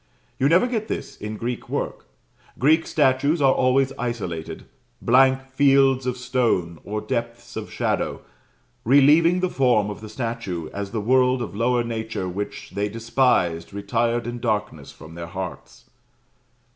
You never get this in Greek work. Greek statues are always isolated; blank fields of stone, or depths of shadow, relieving the form of the statue, as the world of lower nature which they despised retired in darkness from their hearts.